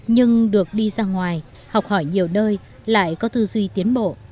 nhưng được đi ra ngoài học hỏi nhiều nơi lại có thư duy tiến bộ